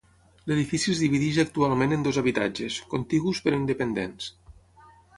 L'edifici es divideix actualment en dos habitatges, contigus però independents.